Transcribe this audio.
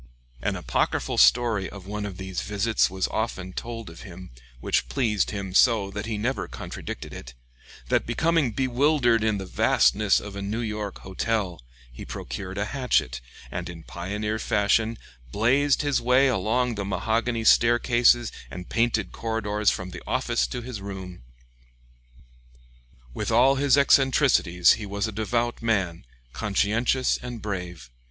An apocryphal story of one of these visits was often told of him, which pleased him so that he never contradicted it: that becoming bewildered in the vastness of a New York hotel, he procured a hatchet, and in pioneer fashion "blazed" his way along the mahogany staircases and painted corridors from the office to his room. With all his eccentricities, he was a devout man, conscientious and brave.